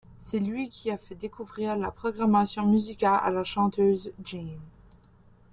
C'est lui qui a fait découvrir la programmation musicale à la chanteuse Jain.